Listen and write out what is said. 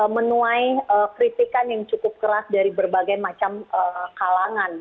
menuai kritikan yang cukup keras dari berbagai macam kalangan